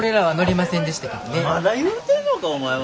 まだ言うてんのかお前は。